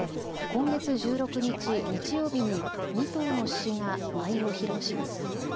今月１６日、日曜日に２頭の獅子が舞を披露します。